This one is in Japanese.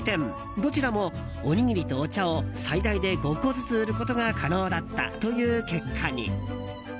どちらもおにぎりとお茶を最大で５個ずつ売ることが可能だったという結果に。